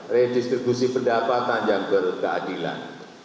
redistribusi pendapatan yang berkeadilan